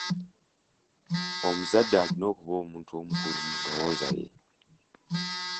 Omuzadde alina okuba omuntu omukulu mu ndowooza ye.